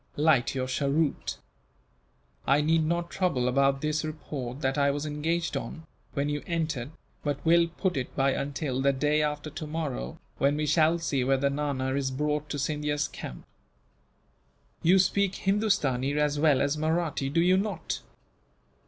"Light your cheroot. I need not trouble about this report that I was engaged on, when you entered, but will put it by until the day after tomorrow, when we shall see whether Nana is brought to Scindia's camp. "You speak Hindustani as well as Mahratti, do you not?"